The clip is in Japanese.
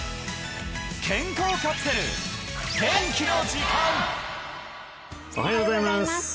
今朝はおはようございます